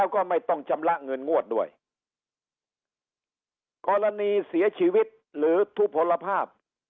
ก็ไม่ต้องชำระเงินงวดด้วยกรณีเสียชีวิตหรือทุพลภาพ